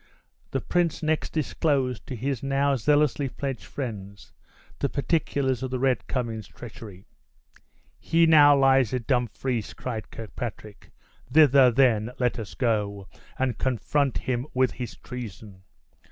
The prince next disclosed to his now zealously pledged friends the particulars of the Red Cummin's treachery. "He now lies at Dumfries!" cried Kirkpatrick; "thither, then, let us go, and confront him with his treason.